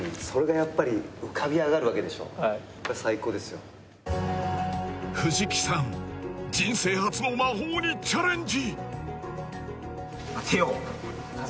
これは藤木さん人生初の魔法にチャレンジ